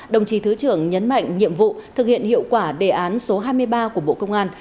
đồng chí thứ trưởng nhấn mạnh nhiệm vụ thực hiện hiệu quả đề án số hai mươi ba của bộ công an